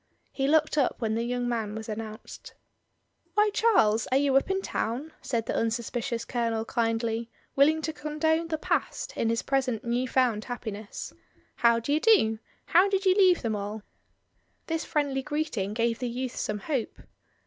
He looked up when the young man was announced. Why, Charles, are you up in town?" said the unsuspicious Colonel kindly, willing to condone the past in his present new found happiness. "How d'y do? How did you leave them all?" This friendly greeting gave the youth some hope.